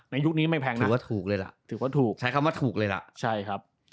ในยุคนี้ไม่แพงนะถือว่าถูกเลยล่ะใช้คำว่าถูกเลยล่ะใช่ครับ